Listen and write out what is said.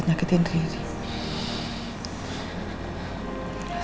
jiwa dari tudah beritamu